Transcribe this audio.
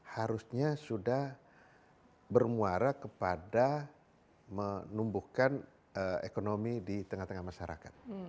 harusnya sudah bermuara kepada menumbuhkan ekonomi di tengah tengah masyarakat